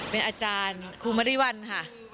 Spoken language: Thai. เป็นอาจารย์ครูมริวัลค่ะ